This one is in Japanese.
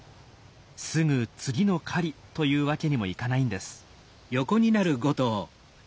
すぐ次の狩りというわけにもいかないんです。